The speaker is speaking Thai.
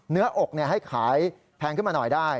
เนื้ออกให้ขายแพงขึ้นมาหน่อยได้